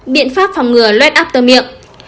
biện pháp phòng ngừa led after miệng